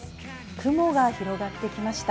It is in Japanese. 雲が広がってきました。